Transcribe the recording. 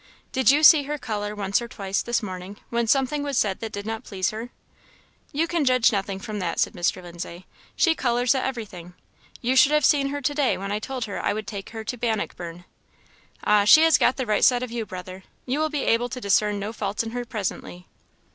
Did you see her colour once or twice this morning when something was said that did not please her?" "You can judge nothing from that," said Mr. Lindsay; "she colours at everything. You should have seen her to day when I told her I would take her to Bannockburn." "Ah, she has got the right side of you, brother; you will be able to discern no faults in her presently."